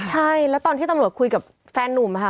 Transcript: ใช่แล้วตอนที่ตำรวจคุยกับแฟนนุ่มค่ะ